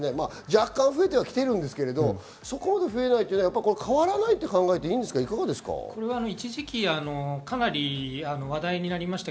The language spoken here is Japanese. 若干増えてはいますが、そこまで増えないのは変わらないと考えて一時期、かなり話題になりました。